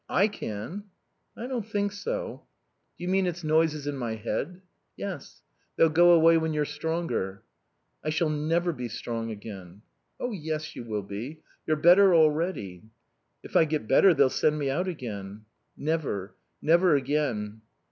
"I can." "I don't think so." "Do you mean it's noises in my head?" "Yes. They'll go away when you're stronger." "I shall never be strong again." "Oh yes, you will be. You're better already." "If I get better they'll send me out again." "Never. Never again."